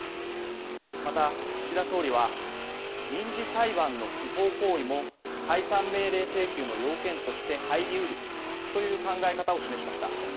また、岸田総理は、民事裁判の不法行為も解散命令請求の要件として入りうるという考え方を示しました。